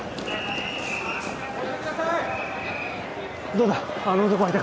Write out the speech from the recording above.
どうだあの男はいたか？